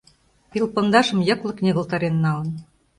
Пел пондашым йыклык ньыгылтарен налын...